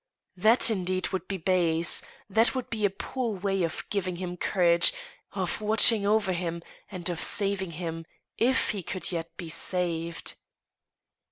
That, indeed, would be base ; that would be a poor way of giving him courage, of watching over him, and of saving him, if he could yet be saved.